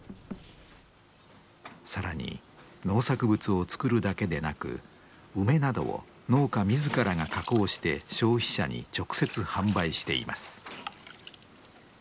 更に農作物を作るだけでなく梅などを農家自らが加工して消費者に直接販売しています。